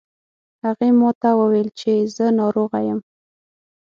هغې ما ته وویل چې زه ناروغه یم